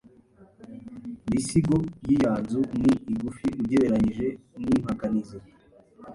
Iisigo y’iyanzu ni igufi ugereranyije n’impakanizi